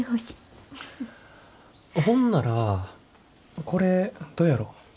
ほんならこれどやろ？